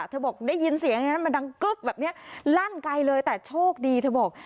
บอกได้ยินเสียงอย่างนั้นมันดังกึ๊บแบบนี้ลั่นไกลเลยแต่โชคดีเธอบอก